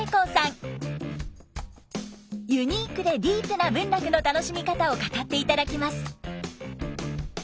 ユニークでディープな文楽の楽しみ方を語っていただきます。